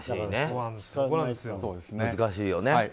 難しいね。